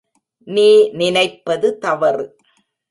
நீ நினைப்பது தவறு.